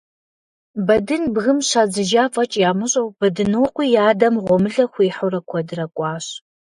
Бэдын бгым щадзыжа фӀэкӀ ямыщӀэу, Бэдынокъуи и адэм гъуэмылэ хуихьурэ куэдрэ кӀуащ.